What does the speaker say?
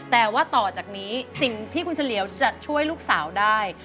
แต่ว่าต่อจากนี้สิ่งที่คุณเฉลียวจะช่วยลูกสาวได้